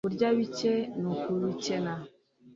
kurya bike ni ukubikena